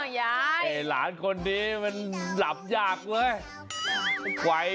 โอ๊ยไอ้หลานคนนี้มันหลับยากคุย